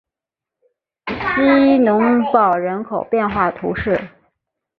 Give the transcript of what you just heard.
希农堡人口变化图示